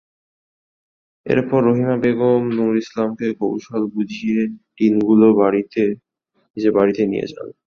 এরপর রহিমা বেগম নুর ইসলামকে কৌশলে বুঝিয়ে টিনগুলো নিজের বাড়িতে নিয়ে যান।